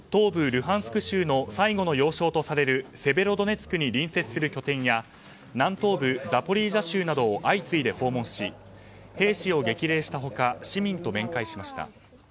ルハンスク州の最後の要衝とされるセベロドネツクに隣接する拠点や南東部ザポリージャ州などを相次いで訪問し兵士を激励した他市民と面会しました。